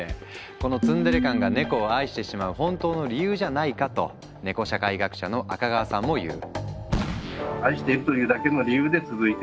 このツンデレ感がネコを愛してしまう本当の理由じゃないかとネコ社会学者の赤川さんも言う。